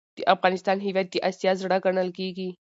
دافغانستان هیواد د اسیا زړه ګڼل کیږي.